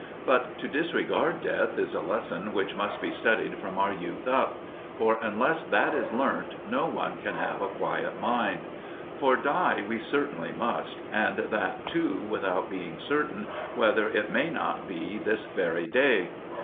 But to disregard death is a lesson which must be studied from our youth up; for unless that is learnt, no one can have a quiet mind. For die we certainly must, and that too without being certain whether it may not be this very day.